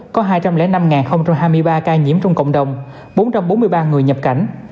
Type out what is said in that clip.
có hai trăm linh năm hai mươi ba ca nhiễm trong cộng đồng bốn trăm bốn mươi ba người nhập cảnh